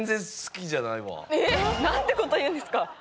なんてこと言うんですか！